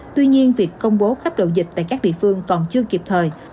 tuy nhiên việc công bố cấp độ dịch tại các địa phương còn chưa kịp thời